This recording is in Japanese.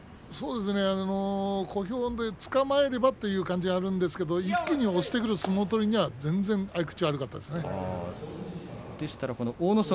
小兵でつかまえればというのはあるんですが一気に押してくる相撲取りには全然合い口は悪かったですね。